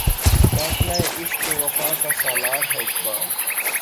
قافلہِ عشق و وفا کا سالار ہے اقبال